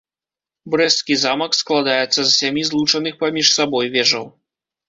Брэсцкі замак складаецца з сямі злучаных паміж сабой вежаў.